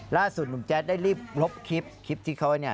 ล่าสุดหนุ่มแจ๊ดได้รีบลบคลิปคลิปที่เขาไว้เนี่ย